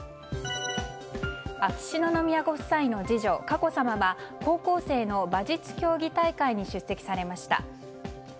秋篠宮ご夫妻の次女・佳子さまは高校生の馬術競技大会に出席されました。